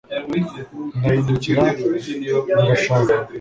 ndahindukira ngashaka